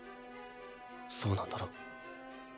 そうなんだろ？